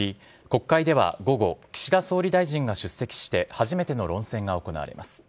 国会では午後岸田総理大臣が出席して初めての論戦が行われます。